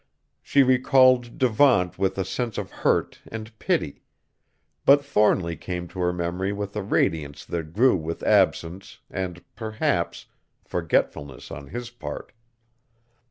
She recalled Devant with a sense of hurt and pity; but Thornly came to her memory with a radiance that grew with absence and, perhaps, forgetfulness on his part.